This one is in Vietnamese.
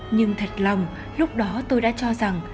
nhưng thật lòng lúc đó tôi đã cho rằng